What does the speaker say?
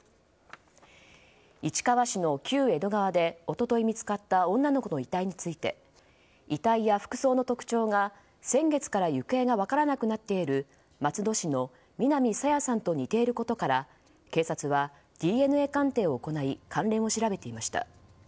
市川市の旧江戸川で一昨日、見つかった女の子の遺体について遺体や服装の特徴が先月から行方が分からなくなっている松戸市の南朝芽さんと似ていることから警察はＤＮＡ鑑定を行い関連を調べていました。